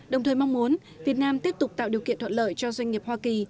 đồng thời mong muốn việt nam tiếp tục tạo điều kiện thuận lợi cho doanh nghiệp hoa kỳ